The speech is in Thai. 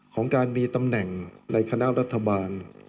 ของการมีตำแหน่งในคณะรัฐบาล